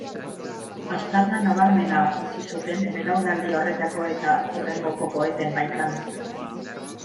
Aztarna nabarmena utzi zuten belaunaldi horretako eta hurrengoko poeten baitan.